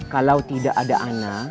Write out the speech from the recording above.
kalau tidak ada anak